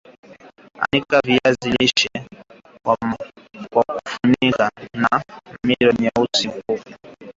Anika viazi lishe kwa kufunika na naironi nyeusi ili kuzuia upotevu wa vitamini